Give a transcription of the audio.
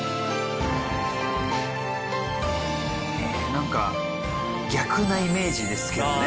なんか逆なイメージですけどね。